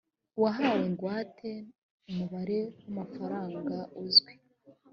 uwahawe ingwate umubare w amafaranga uzwi